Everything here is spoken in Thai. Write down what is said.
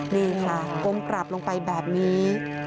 นี่ค่ะก้มกราบลงไปแบบนี้